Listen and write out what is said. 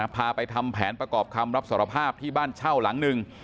พาไปทำแผนประกอบคำรับสารภาพที่บ้านเช่าหลังหนึ่ง